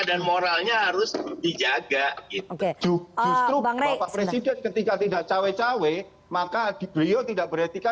dan moralnya harus dijaga itu bangre ketika tidak cawe cawe maka di beliau tidak beretika